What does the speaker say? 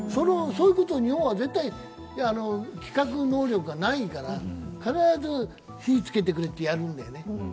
そういうことを日本は絶対に企画能力がないから、必ず火をつけてくれってやるんだよね。